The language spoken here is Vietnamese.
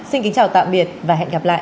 xin kính chào tạm biệt và hẹn gặp lại